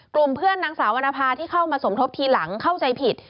กลุ่มเพื่อนนางสาววรรณภาที่เข้ามาสมทบทีหลังเข้าใจผิด